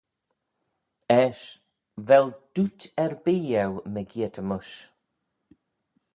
Eisht, vel dooyt erbee eu mygeayrt-y-mysh?